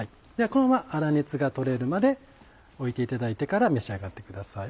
このまま粗熱が取れるまでおいていただいてから召し上がってください。